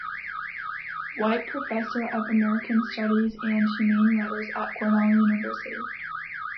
White Professor of American Studies and Humane Letters at Cornell University.